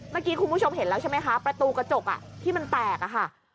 เมื่อกี้คุณผู้ชมเห็นแล้วใช่ไหมคะประตูกระจกที่มันแตกอะค่ะ